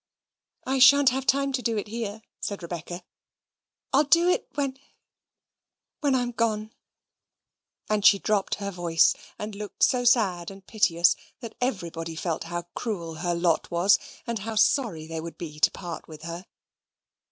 "I shan't have time to do it here," said Rebecca. "I'll do it when when I'm gone." And she dropped her voice, and looked so sad and piteous, that everybody felt how cruel her lot was, and how sorry they would be to part with her.